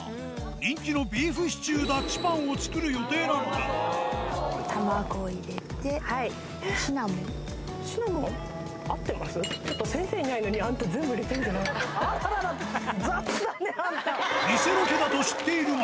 人気のビーフシチューダッチパンを作る予定だったが。